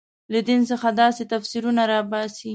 له دین څخه داسې تفسیرونه راباسي.